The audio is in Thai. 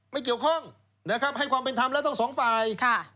ไม่เกี่ยวข้องให้ความเป็นธรรมแล้วต้องสองฝ่าย